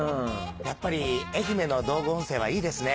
やっぱり愛媛の道後温泉はいいですね。